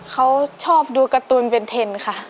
เขาชอบดูการ์ตูนเวนเทนค่ะ